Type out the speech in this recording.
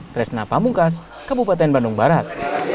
tresna pamungkas kabupaten bandung barat